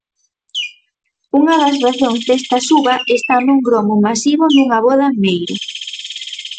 Unha das razóns desta suba está nun gromo masivo nunha voda en Meira.